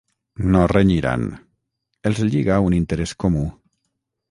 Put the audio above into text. No renyiran: els lliga un interès comú.